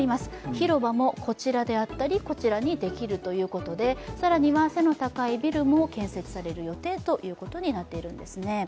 広場もこちらであったりこちらにできるということで、更には背の高いビルも建設される予定となっているんです。